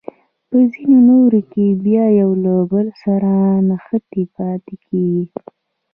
په ځینو نورو کې بیا یو له بل سره نښتې پاتې کیږي.